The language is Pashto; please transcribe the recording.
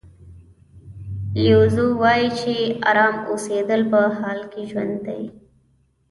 لیو زو وایي چې ارامه اوسېدل په حال کې ژوند دی.